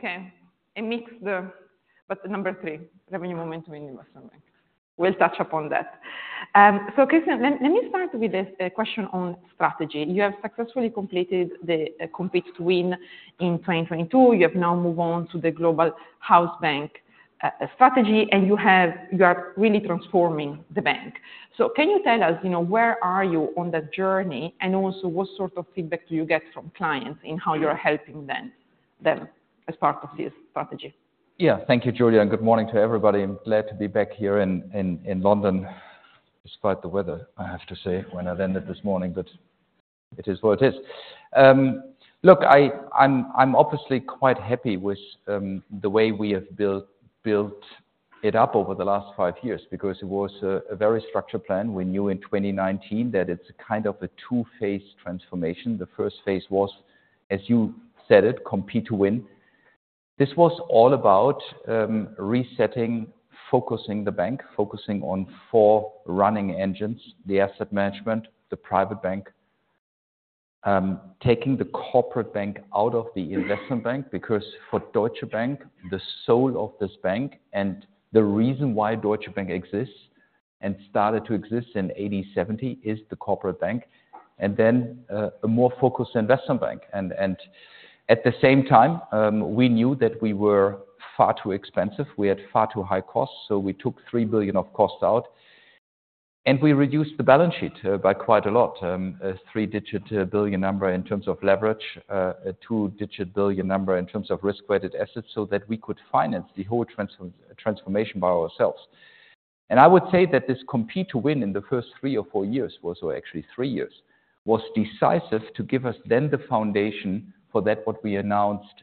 Okay, it makes the cut, but the number three, revenue momentum in the Investment Bank. We'll touch upon that. So, Christian, let me start with a question on strategy. You have successfully completed the Compete to Win in 2022. You have now moved on to the Global House Bank Strategy, and you are really transforming the bank. So can you tell us, you know, where are you on that journey, and also what sort of feedback do you get from clients in how you're helping them as part of this strategy? Yeah, thank you, Giulia, and good morning to everybody. I'm glad to be back here in London, despite the weather, I have to say, when I landed this morning, but it is what it is. Look, I'm obviously quite happy with the way we have built it up over the last five years because it was a very structured plan. We knew in 2019 that it's a kind of a two-phase transformation. The first phase was, as you said it, Compete to Win. This was all about resetting, focusing the bank, focusing on four running engines: the asset management, the private bank, taking the corporate bank out of the investment bank because for Deutsche Bank, the soul of this bank and the reason why Deutsche Bank exists and started to exist in 1980, 1970 is the corporate bank, and then a more focused investment bank. At the same time, we knew that we were far too expensive. We had far too high costs, so we took 3 billion of costs out, and we reduced the balance sheet by quite a lot, a 3-digit billion number in terms of leverage, a 2-digit billion number in terms of risk-weighted assets, so that we could finance the whole transformation by ourselves. I would say that this Compete to Win in the first three or four years, well, so actually three years, was decisive to give us then the foundation for what we announced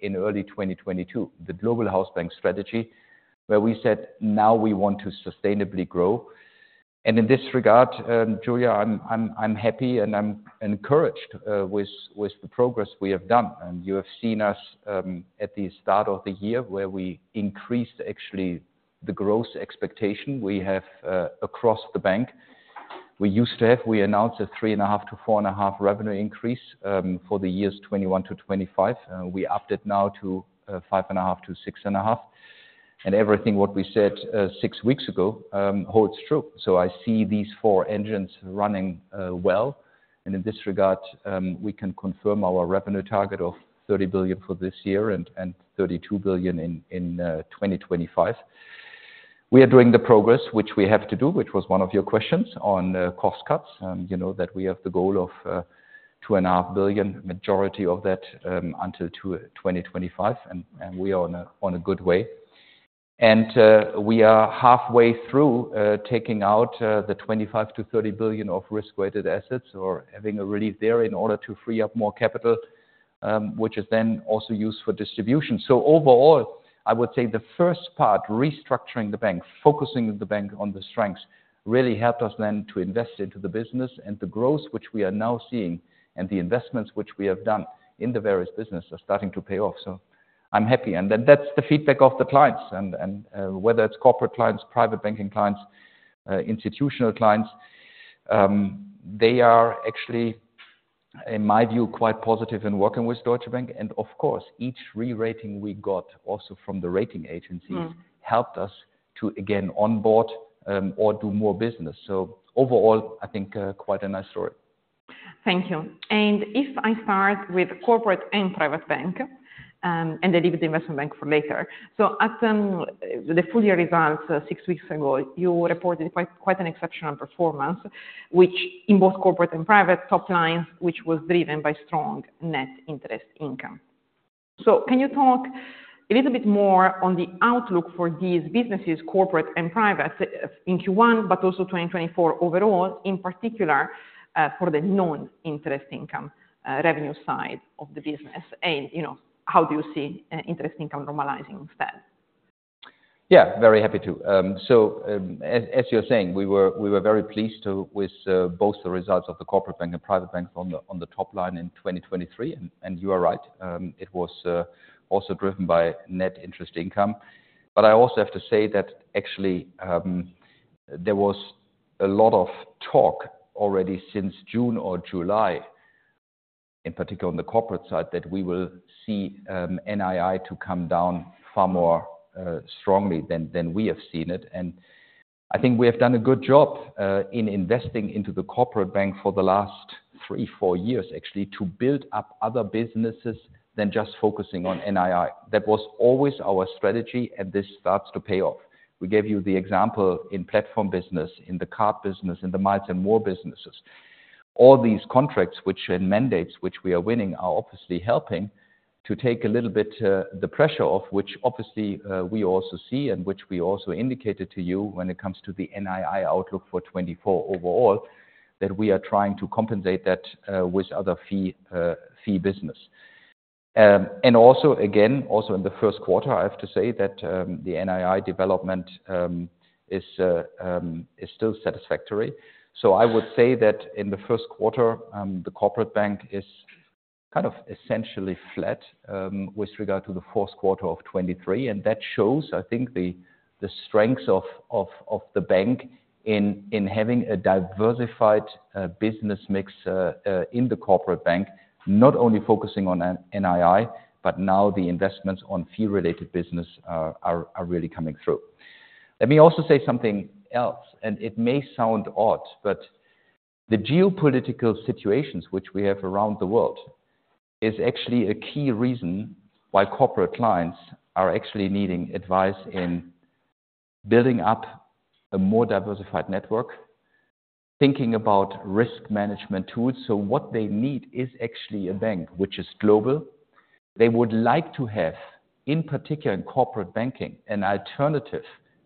in early 2022, the Global House Bank Strategy, where we said, "Now we want to sustainably grow." And in this regard, Giulia, I'm happy and I'm encouraged with the progress we have done. And you have seen us at the start of the year where we increased actually the growth expectation we have across the bank. We used to have we announced a 3.5%-4.5% revenue increase for the years 2021-2025. We upped it now to 5.5%-6.5%. And everything what we said six weeks ago holds true. So I see these four engines running well. And in this regard, we can confirm our revenue target of 30 billion for this year and 32 billion in 2025. We are doing the progress, which we have to do, which was one of your questions on cost cuts, that we have the goal of 2.5 billion, majority of that until 2025, and we are on a good way. We are halfway through taking out the 25 billion-30 billion of risk-weighted assets or having a relief there in order to free up more capital, which is then also used for distribution. So overall, I would say the first part, restructuring the bank, focusing the bank on the strengths, really helped us then to invest into the business. And the growth which we are now seeing and the investments which we have done in the various businesses are starting to pay off. So I'm happy. And then that's the feedback of the clients, whether it's corporate clients, private banking clients, institutional clients. They are actually, in my view, quite positive in working with Deutsche Bank. And of course, each re-rating we got also from the rating agencies helped us to, again, onboard or do more business. So overall, I think quite a nice story. Thank you. And if I start with corporate and private bank, and I leave the investment bank for later. So at the full year results six weeks ago, you reported quite an exceptional performance, which in both corporate and private top lines, which was driven by strong net interest income. So can you talk a little bit more on the outlook for these businesses, corporate and private, in Q1 but also 2024 overall, in particular for the non-interest income revenue side of the business? And how do you see interest income normalizing instead? Yeah, very happy to. So as you're saying, we were very pleased with both the results of the corporate bank and private banks on the top line in 2023. And you are right. It was also driven by net interest income. But I also have to say that actually there was a lot of talk already since June or July, in particular on the corporate side, that we will see NII to come down far more strongly than we have seen it. And I think we have done a good job in investing into the corporate bank for the last three or four years, actually, to build up other businesses than just focusing on NII. That was always our strategy, and this starts to pay off. We gave you the example in platform business, in the card business, in the Miles & More businesses. All these contracts and mandates which we are winning are obviously helping to take a little bit the pressure off, which obviously we also see and which we also indicated to you when it comes to the NII outlook for 2024 overall, that we are trying to compensate that with other fee business. And also, again, also in the first quarter, I have to say that the NII development is still satisfactory. So I would say that in the first quarter, the corporate bank is kind of essentially flat with regard to the fourth quarter of 2023. And that shows, I think, the strengths of the bank in having a diversified business mix in the corporate bank, not only focusing on NII, but now the investments on fee-related business are really coming through. Let me also say something else, and it may sound odd, but the geopolitical situations which we have around the world is actually a key reason why corporate clients are actually needing advice in building up a more diversified network, thinking about risk management tools. So what they need is actually a bank which is global. They would like to have, in particular in corporate banking, an alternative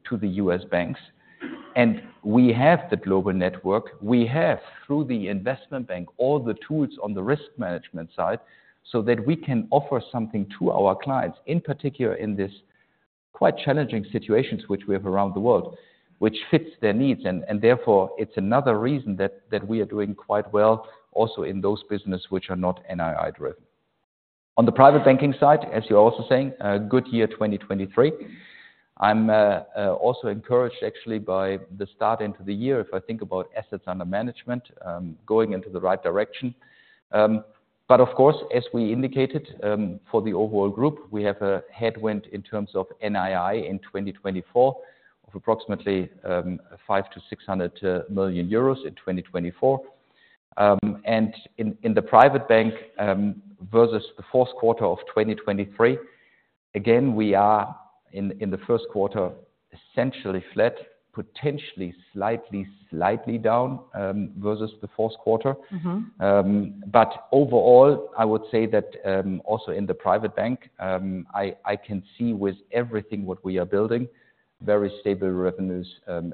to the U.S. banks. And we have the global network. We have, through the investment bank, all the tools on the risk management side so that we can offer something to our clients, in particular in these quite challenging situations which we have around the world, which fits their needs. And therefore, it's another reason that we are doing quite well also in those businesses which are not NII-driven. On the private banking side, as you're also saying, a good year 2023. I'm also encouraged, actually, by the start into the year, if I think about assets under management, going into the right direction. But of course, as we indicated for the overall group, we have a headwind in terms of NII in 2024 of approximately 500 million-600 million euros in 2024. And in the private bank versus the fourth quarter of 2023, again, we are in the first quarter essentially flat, potentially slightly down versus the fourth quarter. But overall, I would say that also in the private bank, I can see with everything what we are building, very stable revenues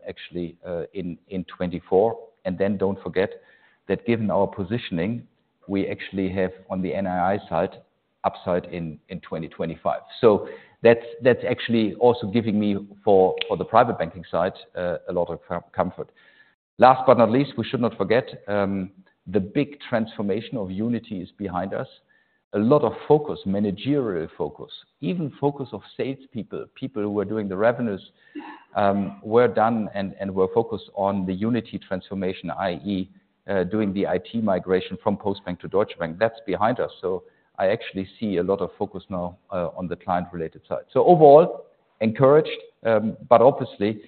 actually in 2024. And then don't forget that given our positioning, we actually have on the NII side upside in 2025. So that's actually also giving me for the private banking side a lot of comfort. Last but not least, we should not forget the big transformation of Unity is behind us. A lot of focus, managerial focus, even focus of salespeople, people who are doing the revenues, were done and were focused on the Unity transformation, i.e., doing the IT migration from Postbank to Deutsche Bank. That's behind us. So I actually see a lot of focus now on the client-related side. So overall, encouraged, but obviously,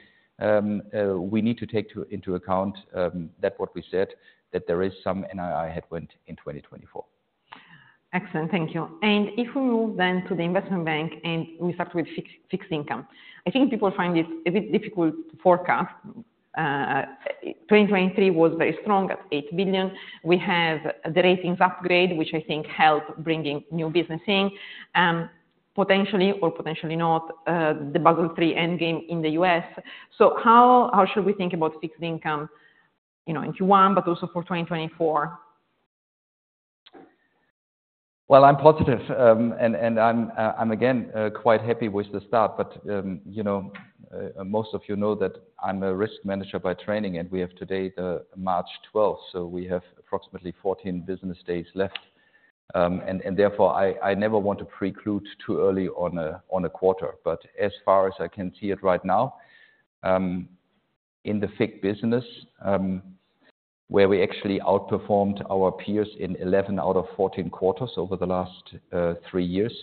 we need to take into account that what we said, that there is some NII headwind in 2024. Excellent. Thank you. And if we move then to the investment bank and we start with fixed income, I think people find it a bit difficult to forecast. 2023 was very strong at 8 billion. We have the ratings upgrade, which I think helped bringing new business in, potentially or potentially not, the Basel III endgame in the U.S. So how should we think about fixed income in Q1 but also for 2024? Well, I'm positive. And I'm, again, quite happy with the start. But most of you know that I'm a risk manager by training, and we have today the March 12th. So we have approximately 14 business days left. And therefore, I never want to preclude too early on a quarter. But as far as I can see it right now, in the FIC business, where we actually outperformed our peers in 11 out of 14 quarters over the last three years,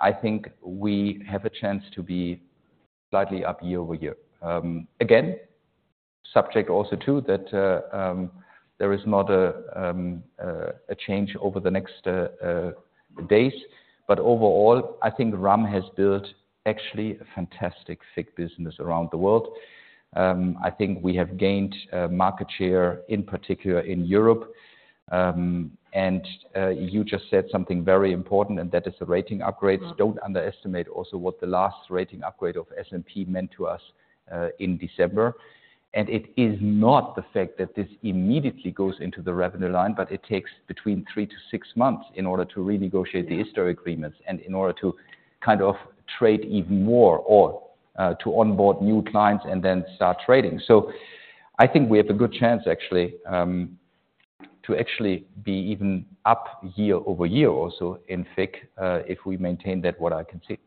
I think we have a chance to be slightly up year-over-year. Again, subject also to that there is not a change over the next days. But overall, I think Ram has built actually a fantastic FIC business around the world. I think we have gained market share, in particular in Europe. And you just said something very important, and that is the rating upgrades. Don't underestimate also what the last rating upgrade of S&P meant to us in December. It is not the fact that this immediately goes into the revenue line, but it takes between three to six months in order to renegotiate the historic agreements and in order to kind of trade even more or to onboard new clients and then start trading. I think we have a good chance, actually, to actually be even up year-over-year also in FIC if we maintain that, what I can see.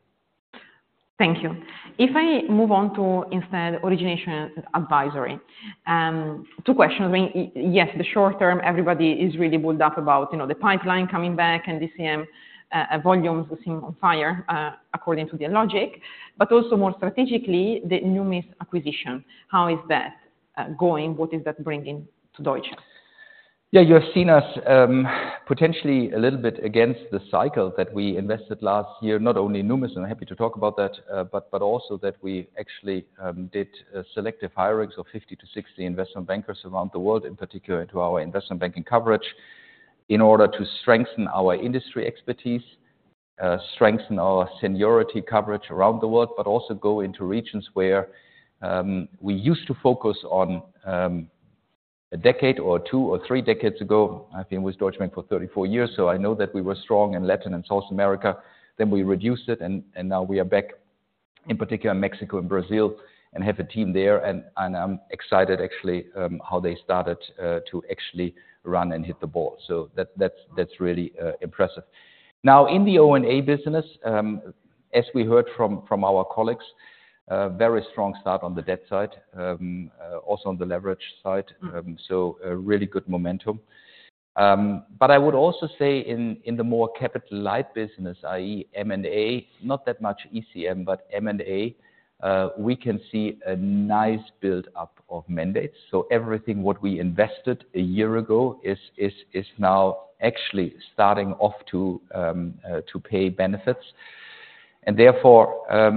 Thank you. If I move on to instead origination advisory, two questions. Yes, the short term, everybody is really bullish about the pipeline coming back and DCM volumes seem on fire according to their logic. But also more strategically, the Numis acquisition. How is that going? What is that bringing to Deutsche? Yeah, you have seen us potentially a little bit against the cycle that we invested last year, not only Numis, and I'm happy to talk about that, but also that we actually did selective hirings of 50-60 investment bankers around the world, in particular into our investment banking coverage, in order to strengthen our industry expertise, strengthen our seniority coverage around the world, but also go into regions where we used to focus on a decade or two or three decades ago. I've been with Deutsche Bank for 34 years, so I know that we were strong in Latin and South America. Then we reduced it, and now we are back, in particular in Mexico and Brazil, and have a team there. I'm excited, actually, how they started to actually run and hit the ball. That's really impressive. Now, in the O&A business, as we heard from our colleagues, very strong start on the debt side, also on the leverage side, so really good momentum. But I would also say in the more capital light business, i.e., M&A, not that much ECM, but M&A, we can see a nice buildup of mandates. So everything what we invested a year ago is now actually starting off to pay benefits. And therefore, I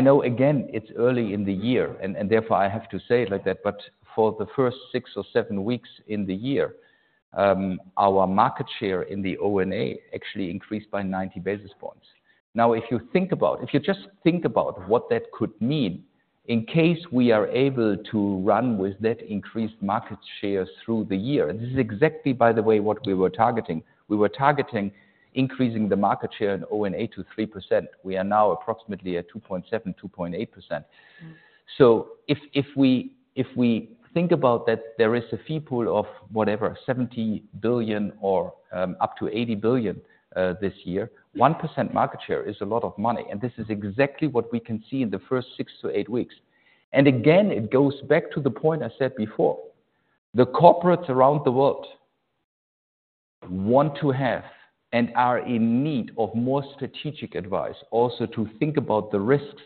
know, again, it's early in the year, and therefore I have to say it like that. But for the first six or seven weeks in the year, our market share in the O&A actually increased by 90 basis points. Now, if you think about if you just think about what that could mean in case we are able to run with that increased market share through the year and this is exactly, by the way, what we were targeting. We were targeting increasing the market share in O&A to 3%. We are now approximately at 2.7%-2.8%. So if we think about that, there is a fee pool of whatever, 70 billion or up to 80 billion this year. 1% market share is a lot of money. And this is exactly what we can see in the first six to eight weeks. And again, it goes back to the point I said before. The corporates around the world want to have and are in need of more strategic advice, also to think about the risks,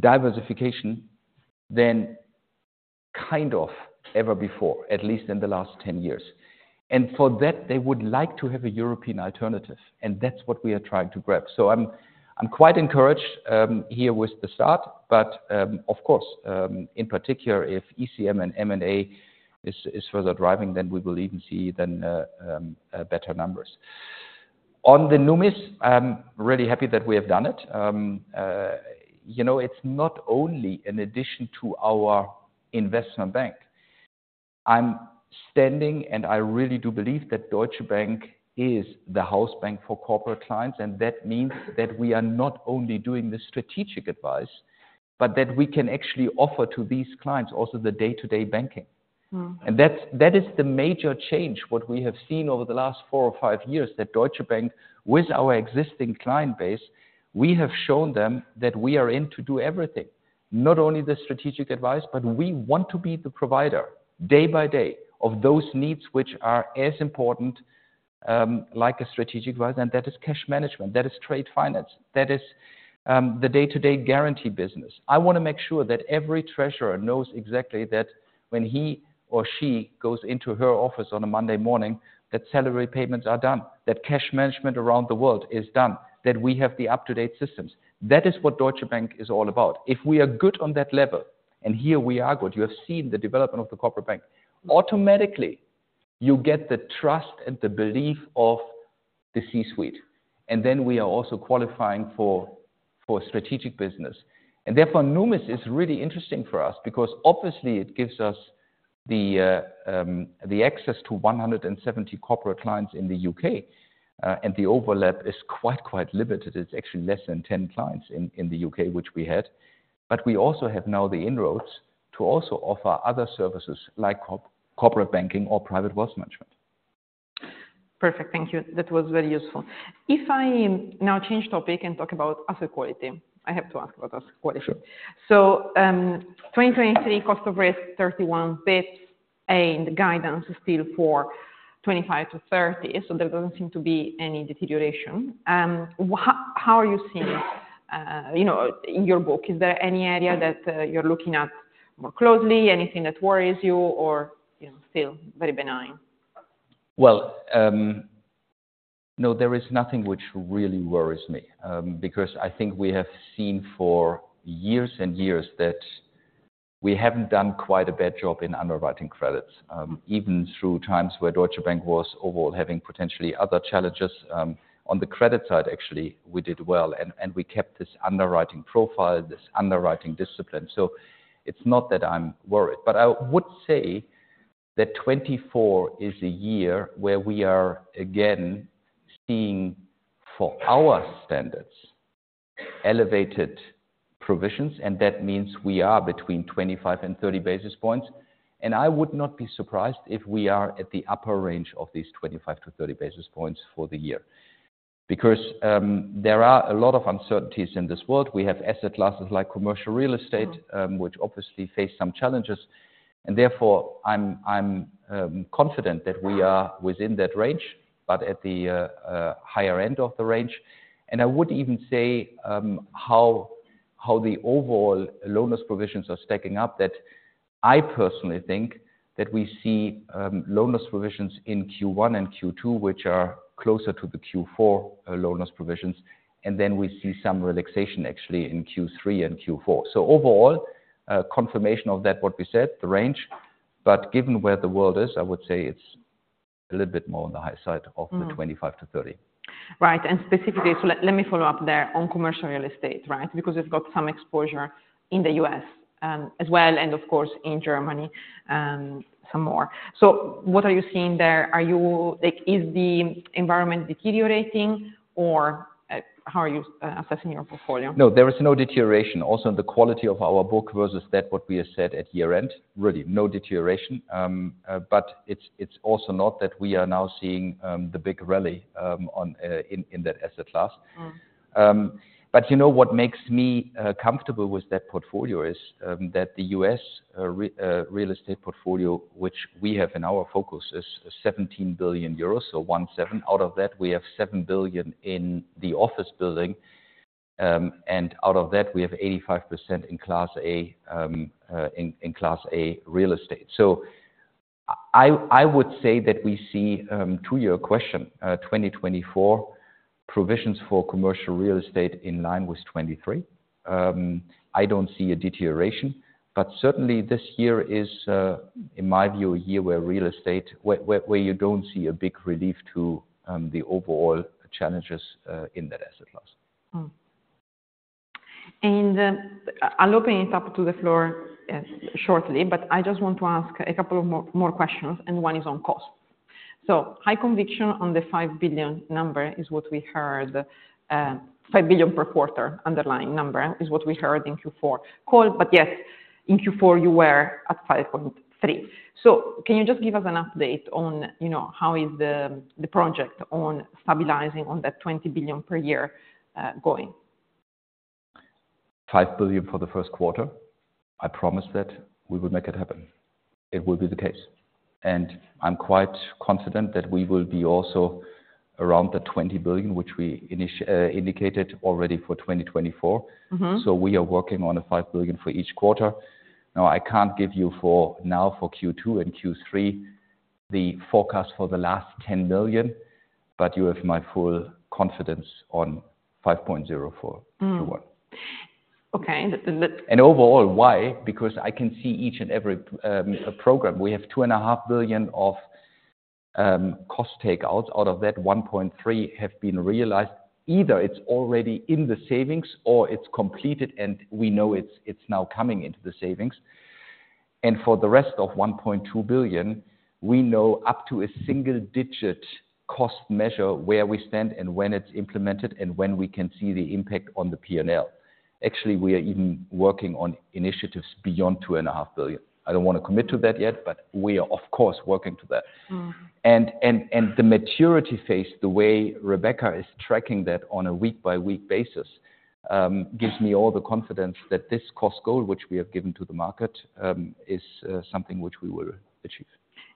diversification than kind of ever before, at least in the last 10 years. For that, they would like to have a European alternative. That's what we are trying to grab. So I'm quite encouraged here with the start. But of course, in particular, if ECM and M&A is further driving, then we will even see then better numbers. On the Numis, I'm really happy that we have done it. It's not only in addition to our investment bank. I'm standing, and I really do believe that Deutsche Bank is the house bank for corporate clients. That means that we are not only doing the strategic advice, but that we can actually offer to these clients also the day-to-day banking. That is the major change, what we have seen over the last four or five years, that Deutsche Bank, with our existing client base, we have shown them that we are in to do everything, not only the strategic advice, but we want to be the provider day by day of those needs which are as important like a strategic advice. That is cash management. That is trade finance. That is the day-to-day guarantee business. I want to make sure that every treasurer knows exactly that when he or she goes into her office on a Monday morning, that salary payments are done, that cash management around the world is done, that we have the up-to-date systems. That is what Deutsche Bank is all about. If we are good on that level, and here we are good, you have seen the development of the corporate bank. Automatically, you get the trust and the belief of the C-suite. Then we are also qualifying for strategic business. Therefore, Numis is really interesting for us because obviously, it gives us the access to 170 corporate clients in the U.K. The overlap is quite, quite limited. It's actually less than 10 clients in the U.K., which we had. We also have now the inroads to also offer other services like corporate banking or private wealth management. Perfect. Thank you. That was very useful. If I now change topic and talk about asset quality, I have to ask about asset quality. 2023 cost of risk, 31 basis points, and guidance is still for 25-30 basis points. There doesn't seem to be any deterioration. How are you seeing it in your book? Is there any area that you're looking at more closely, anything that worries you or still very benign? Well, no, there is nothing which really worries me because I think we have seen for years and years that we haven't done quite a bad job in underwriting credits, even through times where Deutsche Bank was overall having potentially other challenges. On the credit side, actually, we did well, and we kept this underwriting profile, this underwriting discipline. So it's not that I'm worried. But I would say that 2024 is a year where we are, again, seeing for our standards elevated provisions. And that means we are between 25 and 30 basis points. And I would not be surprised if we are at the upper range of these 25-30 basis points for the year because there are a lot of uncertainties in this world. We have asset classes like commercial real estate, which obviously face some challenges. Therefore, I'm confident that we are within that range, but at the higher end of the range. And I would even say how the overall loan loss provisions are stacking up, that I personally think that we see loan loss provisions in Q1 and Q2, which are closer to the Q4 loan loss provisions. And then we see some relaxation, actually, in Q3 and Q4. So overall, confirmation of that, what we said, the range. But given where the world is, I would say it's a little bit more on the high side of the 25-30. Right. And specifically, so let me follow up there on commercial real estate, right, because you've got some exposure in the U.S. as well and, of course, in Germany, some more. So what are you seeing there? Is the environment deteriorating, or how are you assessing your portfolio? No, there is no deterioration. Also in the quality of our book versus that, what we have said at year end, really, no deterioration. But it's also not that we are now seeing the big rally in that asset class. But what makes me comfortable with that portfolio is that the U.S. real estate portfolio, which we have in our focus, is 17 billion euros, so 1/7. Out of that, we have 7 billion in the office building. And out of that, we have 85% in Class A real estate. So I would say that we see, to your question, 2024 provisions for commercial real estate in line with 2023. I don't see a deterioration. But certainly, this year is, in my view, a year where real estate where you don't see a big relief to the overall challenges in that asset class. I'll open it up to the floor shortly, but I just want to ask a couple of more questions. One is on cost. So high conviction on the 5 billion number is what we heard. 5 billion per quarter underlying number is what we heard in Q4 call. But yet, in Q4, you were at 5.3 billion. So can you just give us an update on how is the project on stabilizing on that 20 billion per year going? 5 billion for the first quarter, I promise that we will make it happen. It will be the case. I'm quite confident that we will be also around the 20 billion, which we indicated already for 2024. We are working on a 5 billion for each quarter. Now, I can't give you now for Q2 and Q3 the forecast for the last 10 million, but you have my full confidence on 5.0 billion for Q1. Overall, why? Because I can see each and every program. We have 2.5 billion of cost takeouts. Out of that, 1.3 billion have been realized. Either it's already in the savings, or it's completed, and we know it's now coming into the savings. For the rest of 1.2 billion, we know up to a single-digit cost measure where we stand and when it's implemented and when we can see the impact on the P&L. Actually, we are even working on initiatives beyond 2.5 billion. I don't want to commit to that yet, but we are, of course, working to that. And the maturity phase, the way Rebecca is tracking that on a week-by-week basis, gives me all the confidence that this cost goal, which we have given to the market, is something which we will achieve.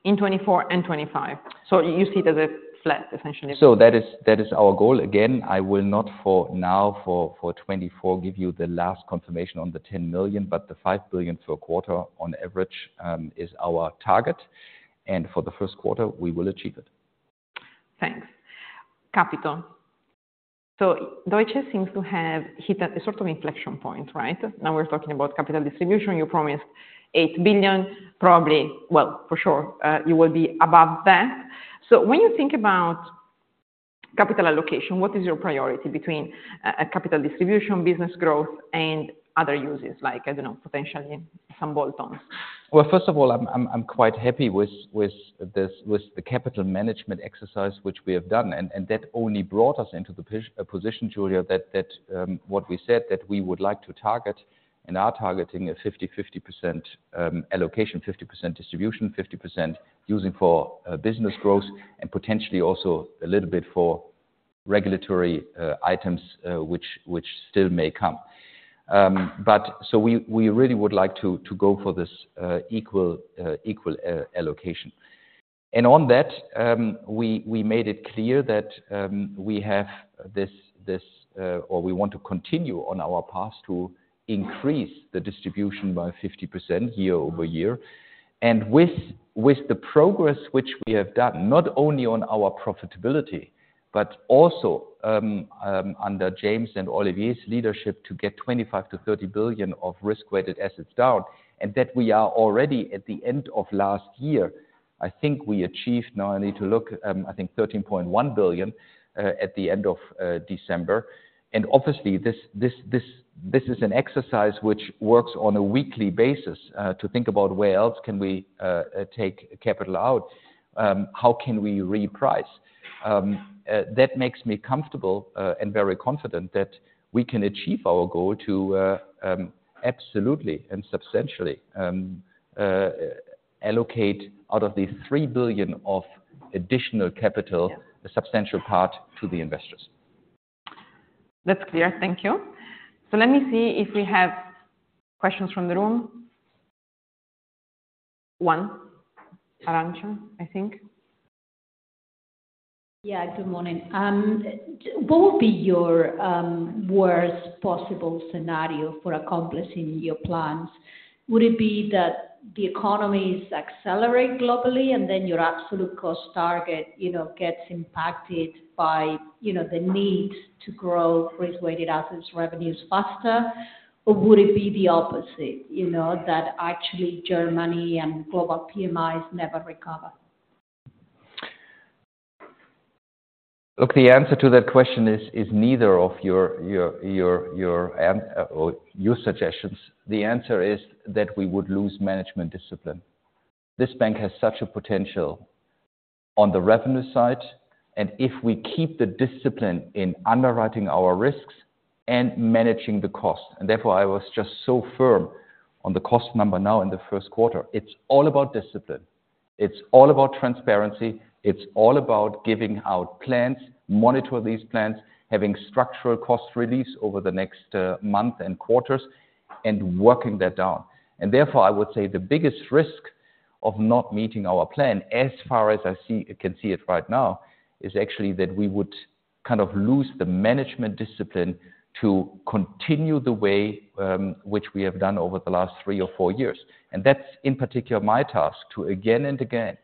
In 2024 and 2025. So you see it as a flat, essentially. That is our goal. Again, I will not for now, for 2024, give you the last confirmation on the 10 million, but the 5 billion per quarter, on average, is our target. And for the first quarter, we will achieve it. Thanks. Capital. So Deutsche seems to have hit a sort of inflection point, right? Now, we're talking about capital distribution. You promised 8 billion, probably well, for sure, you will be above that. So when you think about capital allocation, what is your priority between capital distribution, business growth, and other uses like, I don't know, potentially some bolt-ons? Well, first of all, I'm quite happy with the capital management exercise which we have done. That only brought us into the position, Giulia, that what we said that we would like to target, and are targeting, a 50%/50% allocation, 50% distribution, 50% using for business growth, and potentially also a little bit for regulatory items, which still may come. We really would like to go for this equal allocation. On that, we made it clear that we have this or we want to continue on our path to increase the distribution by 50% year-over-year. And with the progress which we have done, not only on our profitability, but also under James and Olivier's leadership to get 25 billion-30 billion of risk-weighted assets down, and that we are already at the end of last year, I think we achieved now I need to look, I think, 13.1 billion at the end of December. And obviously, this is an exercise which works on a weekly basis to think about where else can we take capital out, how can we reprice. That makes me comfortable and very confident that we can achieve our goal to absolutely and substantially allocate out of the 3 billion of additional capital, a substantial part to the investors. That's clear. Thank you. So let me see if we have questions from the room. One, Arancha, I think. Yeah. Good morning. What would be your worst possible scenario for accomplishing your plans? Would it be that the economies accelerate globally, and then your absolute cost target gets impacted by the need to grow risk-weighted assets revenues faster? Or would it be the opposite, that actually Germany and global PMIs never recover? Look, the answer to that question is neither of your suggestions. The answer is that we would lose management discipline. This bank has such a potential on the revenue side. And if we keep the discipline in underwriting our risks and managing the cost and therefore, I was just so firm on the cost number now in the first quarter. It's all about discipline. It's all about transparency. It's all about giving out plans, monitor these plans, having structural cost release over the next month and quarters, and working that down. And therefore, I would say the biggest risk of not meeting our plan, as far as I can see it right now, is actually that we would kind of lose the management discipline to continue the way which we have done over the last three or four years. And that's, in particular, my task, to again and again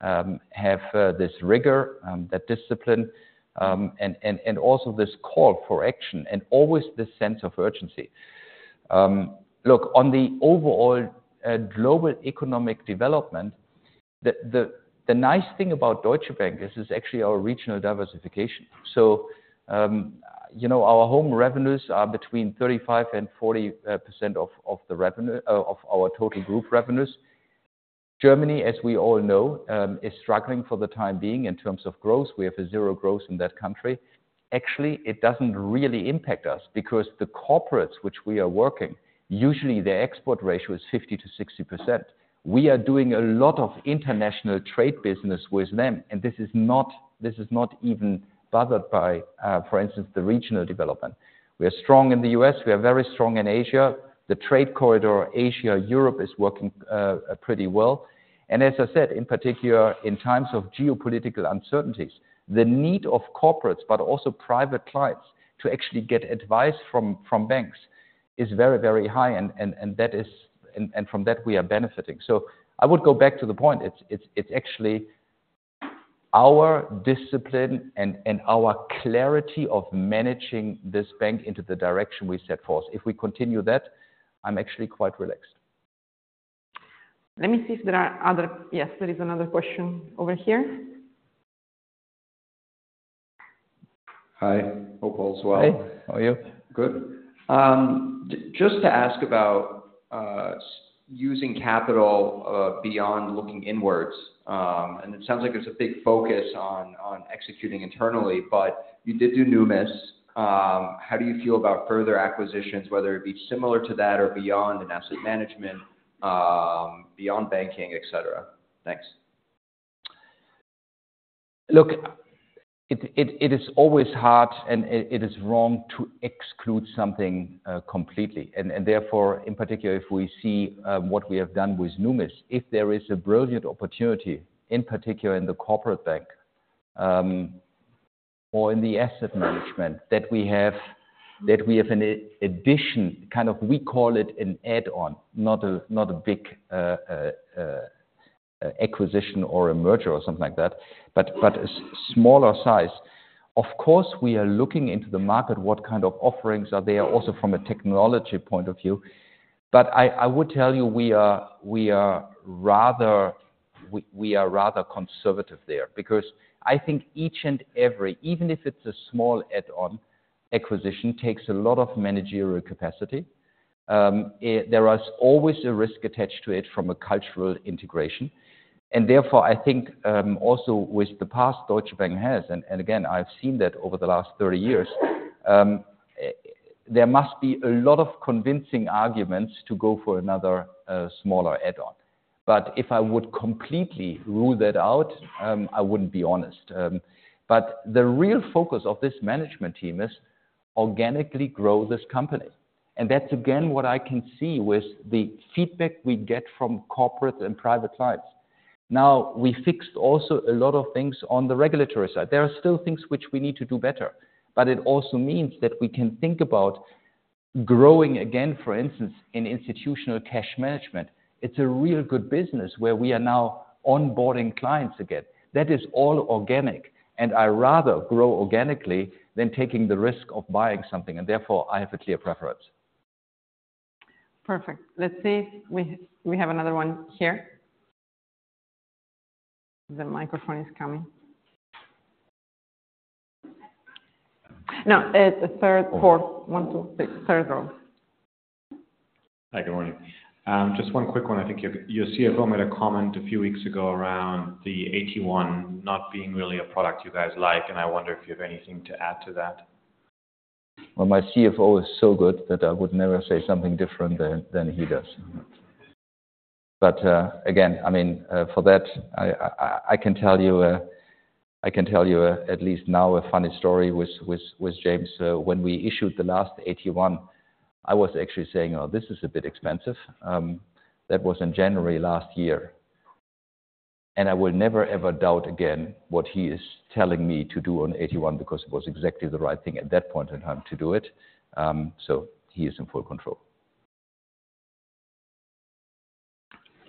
have this rigor, that discipline, and also this call for action and always this sense of urgency. Look, on the overall global economic development, the nice thing about Deutsche Bank is it's actually our regional diversification. So our home revenues are between 35%-40% of our total group revenues. Germany, as we all know, is struggling for the time being in terms of growth. We have a zero growth in that country. Actually, it doesn't really impact us because the corporates which we are working, usually, their export ratio is 50%-60%. We are doing a lot of international trade business with them. And this is not even bothered by, for instance, the regional development. We are strong in the U.S. We are very strong in Asia. The trade corridor Asia-Europe is working pretty well. As I said, in particular, in times of geopolitical uncertainties, the need of corporates but also private clients to actually get advice from banks is very, very high. From that, we are benefiting. I would go back to the point. It's actually our discipline and our clarity of managing this bank into the direction we set forth. If we continue that, I'm actually quite relaxed. Let me see if there are others. Yes, there is another question over here. Hi. Hope all's well. Hey. How are you? Good. Just to ask about using capital beyond looking inwards. It sounds like there's a big focus on executing internally, but you did do Numis. How do you feel about further acquisitions, whether it be similar to that or beyond in asset management, beyond banking, et cetera? Thanks. Look, it is always hard, and it is wrong to exclude something completely. And therefore, in particular, if we see what we have done with Numis, if there is a brilliant opportunity, in particular in the corporate bank or in the asset management, that we have an addition kind of we call it an add-on, not a big acquisition or a merger or something like that, but a smaller size, of course, we are looking into the market, what kind of offerings are there also from a technology point of view. But I would tell you, we are rather conservative there because I think each and every even if it's a small add-on acquisition, takes a lot of managerial capacity. There is always a risk attached to it from a cultural integration. Therefore, I think also with the past Deutsche Bank has and again, I've seen that over the last 30 years, there must be a lot of convincing arguments to go for another smaller add-on. But if I would completely rule that out, I wouldn't be honest. But the real focus of this management team is organically grow this company. And that's, again, what I can see with the feedback we get from corporates and private clients. Now, we fixed also a lot of things on the regulatory side. There are still things which we need to do better. But it also means that we can think about growing again, for instance, in institutional cash management. It's a real good business where we are now onboarding clients again. That is all organic. And I rather grow organically than taking the risk of buying something. Therefore, I have a clear preference. Perfect. Let's see if we have another one here. The microphone is coming. No, third, fourth. One, two, three. Third row. Hi. Good morning. Just one quick one. I think your CFO made a comment a few weeks ago around the AT1 not being really a product you guys like. And I wonder if you have anything to add to that. Well, my CFO is so good that I would never say something different than he does. But again, I mean, for that, I can tell you I can tell you at least now a funny story with James. When we issued the last AT1, I was actually saying, "Oh, this is a bit expensive." That was in January last year. And I will never, ever doubt again what he is telling me to do on AT1 because it was exactly the right thing at that point in time to do it. So he is in full control.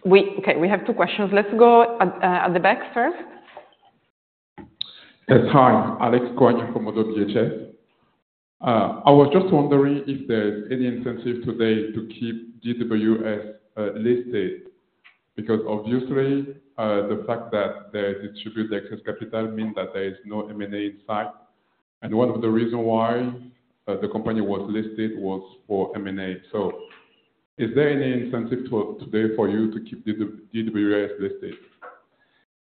Okay. We have two questions. Let's go at the back first. Yes. Hi. Alex Koagne from Oddo BHF. I was just wondering if there's any incentive today to keep DWS listed because obviously, the fact that they distribute the excess capital means that there is no M&A in sight. And one of the reasons why the company was listed was for M&A. So is there any incentive today for you to keep DWS listed?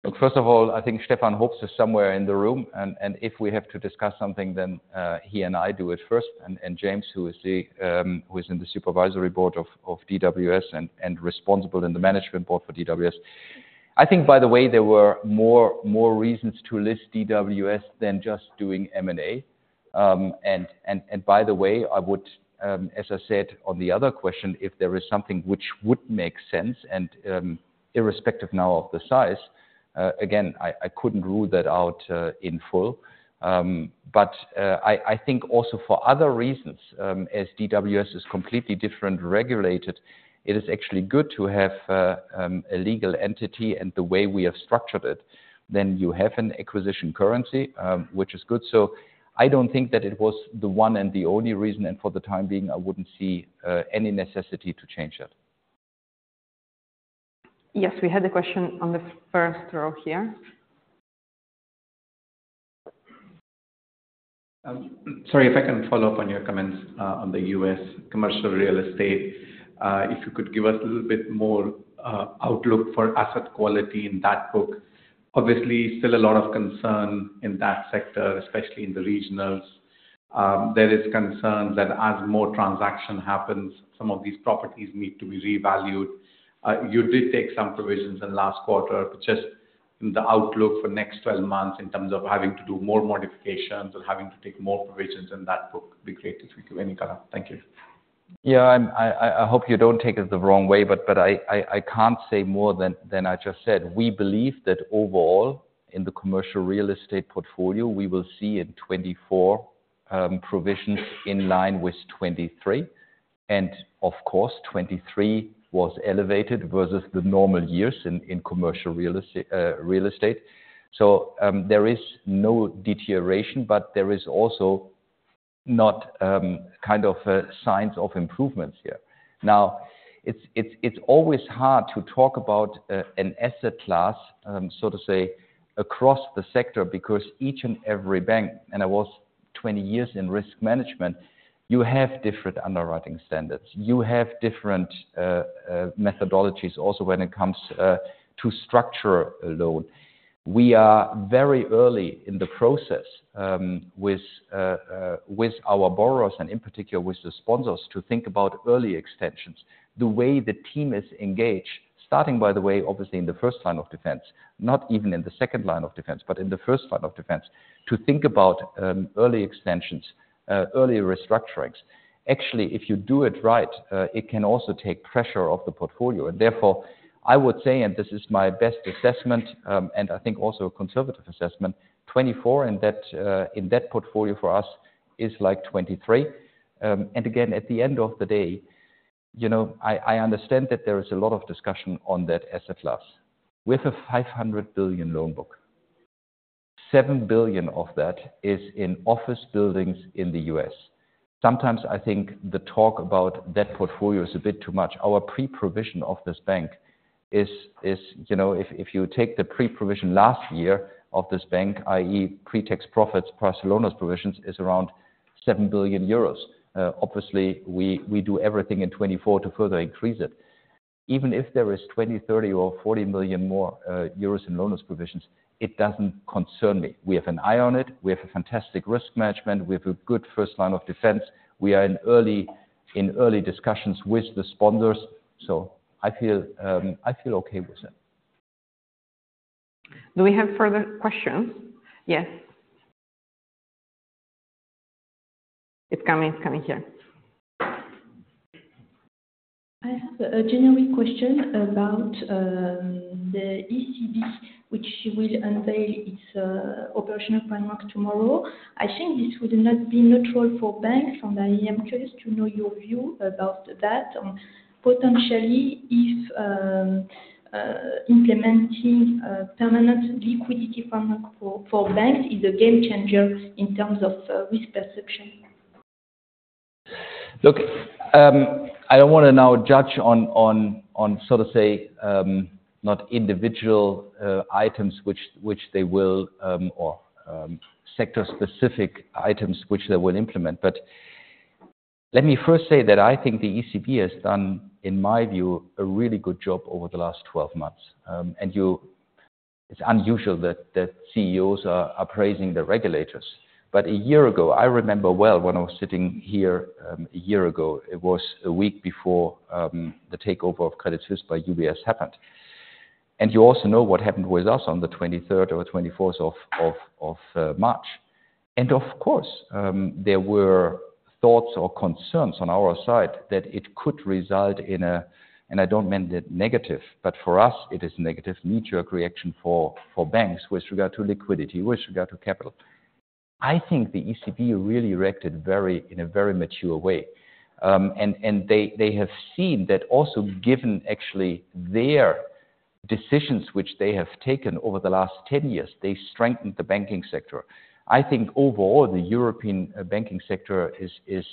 Look, first of all, I think Stefan Hoops is somewhere in the room. And if we have to discuss something, then he and I do it first. And James, who is in the supervisory board of DWS and responsible in the management board for DWS. I think, by the way, there were more reasons to list DWS than just doing M&A. And by the way, I would, as I said on the other question, if there is something which would make sense and irrespective now of the size, again, I couldn't rule that out in full. But I think also for other reasons, as DWS is completely different regulated, it is actually good to have a legal entity and the way we have structured it. Then you have an acquisition currency, which is good. So I don't think that it was the one and the only reason. For the time being, I wouldn't see any necessity to change that. Yes. We had a question on the first row here. Sorry, if I can follow up on your comments on the U.S. commercial real estate, if you could give us a little bit more outlook for asset quality in that book. Obviously, still a lot of concern in that sector, especially in the regionals. There is concern that as more transaction happens, some of these properties need to be revalued. You did take some provisions in last quarter. Just in the outlook for next 12 months in terms of having to do more modifications or having to take more provisions in that book, it'd be great if you give any kind of thank you. Yeah. I hope you don't take it the wrong way. But I can't say more than I just said. We believe that overall, in the commercial real estate portfolio, we will see in 2024 provisions in line with 2023. And of course, 2023 was elevated versus the normal years in commercial real estate. So there is no deterioration. But there is also not kind of signs of improvements here. Now, it's always hard to talk about an asset class, so to say, across the sector because each and every bank and I was 20 years in risk management, you have different underwriting standards. You have different methodologies also when it comes to structure a loan. We are very early in the process with our borrowers and in particular with the sponsors to think about early extensions, the way the team is engaged, starting, by the way, obviously, in the first line of defense, not even in the second line of defense, but in the first line of defense, to think about early extensions, early restructurings. Actually, if you do it right, it can also take pressure off the portfolio. Therefore, I would say, and this is my best assessment and I think also a conservative assessment, 2024 in that portfolio for us is like 2023. Again, at the end of the day, I understand that there is a lot of discussion on that asset class. With a 500 billion loan book, 7 billion of that is in office buildings in the U.S. Sometimes, I think the talk about that portfolio is a bit too much. Our pre-provision of this bank is, if you take the pre-provision last year of this bank, i.e., pretax profits prior to loan loss provisions, around 7 billion euros. Obviously, we do everything in 2024 to further increase it. Even if there is 20 million, 30 million, or 40 million more euros in loan loss provisions, it doesn't concern me. We have an eye on it. We have a fantastic risk management. We have a good first line of defense. We are in early discussions with the sponsors. So I feel okay with it. Do we have further questions? Yes. It's coming. It's coming here. I have a generic question about the ECB, which will unveil its operational framework tomorrow. I think this would not be neutral for banks. I am curious to know your view about that and potentially if implementing permanent liquidity framework for banks is a game changer in terms of risk perception. Look, I don't want to now judge on, so to say, not individual items which they will or sector-specific items which they will implement. But let me first say that I think the ECB has done, in my view, a really good job over the last 12 months. And it's unusual that CEOs are praising the regulators. But a year ago, I remember well when I was sitting here a year ago, it was a week before the takeover of Credit Suisse by UBS happened. And you also know what happened with us on the 23rd or 24th of March. And of course, there were thoughts or concerns on our side that it could result in a, and I don't mean that negative. But for us, it is a negative knee-jerk reaction for banks with regard to liquidity, with regard to capital. I think the ECB really reacted in a very mature way. They have seen that also given actually their decisions which they have taken over the last 10 years, they strengthened the banking sector. I think overall, the European banking sector is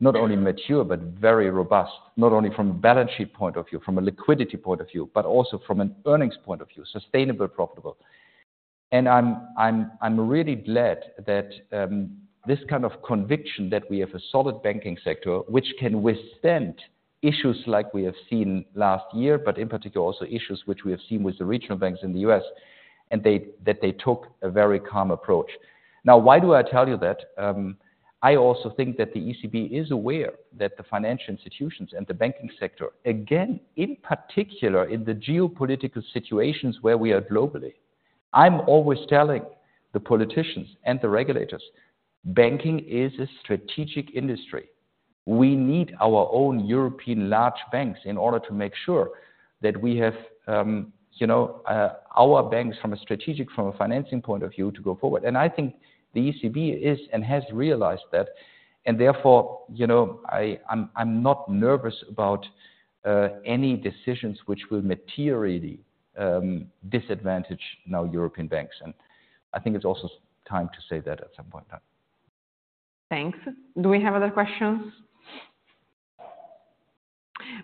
not only mature but very robust, not only from a balance sheet point of view, from a liquidity point of view, but also from an earnings point of view, sustainable, profitable. I'm really glad that this kind of conviction that we have a solid banking sector which can withstand issues like we have seen last year, but in particular, also issues which we have seen with the regional banks in the U.S., that they took a very calm approach. Now, why do I tell you that? I also think that the ECB is aware that the financial institutions and the banking sector, again, in particular, in the geopolitical situations where we are globally. I'm always telling the politicians and the regulators, banking is a strategic industry. We need our own European large banks in order to make sure that we have our banks from a strategic financing point of view to go forward. And I think the ECB is and has realized that. And therefore, I'm not nervous about any decisions which will materially disadvantage now European banks. And I think it's also time to say that at some point. Thanks. Do we have other questions?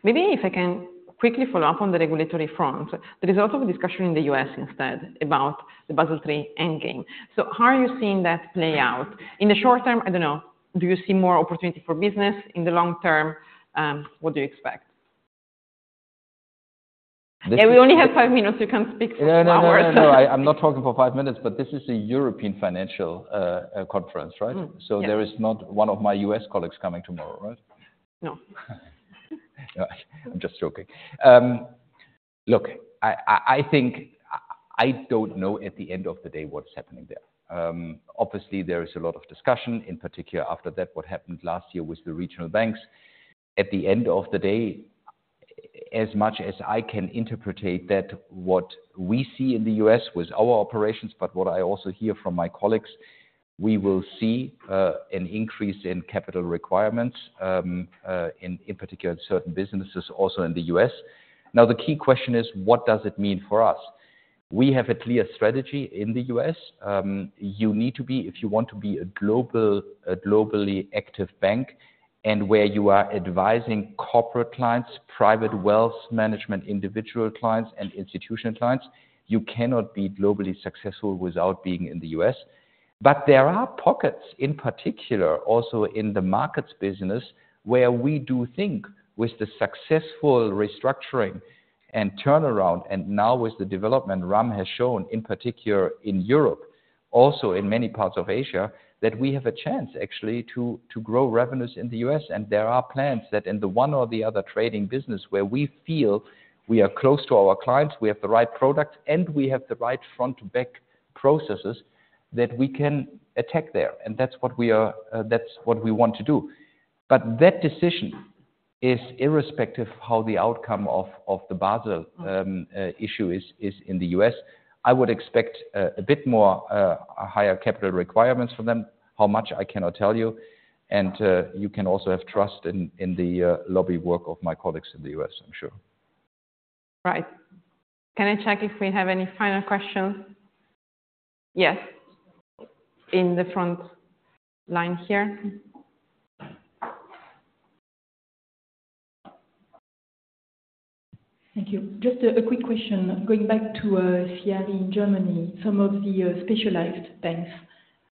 Maybe if I can quickly follow up on the regulatory front, there is a lot of discussion in the U.S. instead about the Basel III endgame. So how are you seeing that play out? In the short term, I don't know. Do you see more opportunity for business? In the long term, what do you expect? And we only have five minutes. You can speak for hours. No, no, no. I'm not talking for five minutes. But this is a European financial conference, right? So there is not one of my U.S. colleagues coming tomorrow, right? No. I'm just joking. Look, I think I don't know at the end of the day what's happening there. Obviously, there is a lot of discussion, in particular after that, what happened last year with the regional banks. At the end of the day, as much as I can interpret what we see in the U.S. with our operations, but what I also hear from my colleagues, we will see an increase in capital requirements, in particular, in certain businesses, also in the U.S. Now, the key question is, what does it mean for us? We have a clear strategy in the U.S. You need to be if you want to be a globally active bank and where you are advising corporate clients, private wealth management, individual clients, and institutional clients, you cannot be globally successful without being in the U.S. But there are pockets, in particular, also in the markets business where we do think with the successful restructuring and turnaround and now with the development Ram has shown, in particular, in Europe, also in many parts of Asia, that we have a chance actually to grow revenues in the U.S. And there are plans that in the one or the other trading business where we feel we are close to our clients, we have the right products, and we have the right front-to-back processes, that we can attack there. And that's what we are. That's what we want to do. But that decision is irrespective of how the outcome of the Basel issue is in the U.S. I would expect a bit more higher capital requirements from them. How much, I cannot tell you. You can also have trust in the lobby work of my colleagues in the U.S., I'm sure. Right. Can I check if we have any final questions? Yes. In the front line here. Thank you. Just a quick question. Going back to CRE in Germany, some of the specialized banks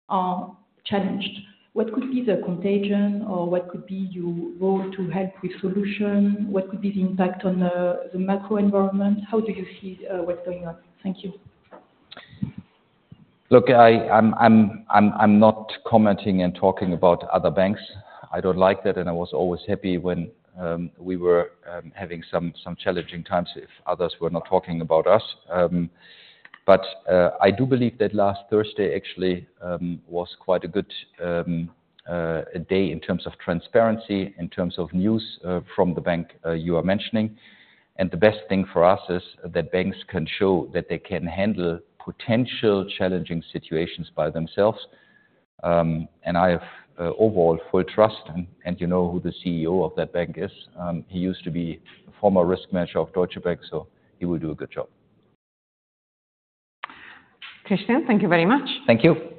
are challenged. What could be the contagion? Or what could be your role to help with solution? What could be the impact on the macro environment? How do you see what's going on? Thank you. Look, I'm not commenting and talking about other banks. I don't like that. I was always happy when we were having some challenging times if others were not talking about us. But I do believe that last Thursday actually was quite a good day in terms of transparency, in terms of news from the bank you are mentioning. The best thing for us is that banks can show that they can handle potential challenging situations by themselves. I have overall full trust. You know who the CEO of that bank is. He used to be a former risk manager of Deutsche Bank. So he will do a good job. Christian, thank you very much. Thank you.